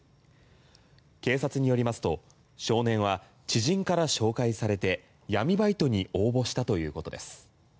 警察によりますと少年は知人から紹介されて闇バイトに応募したということです。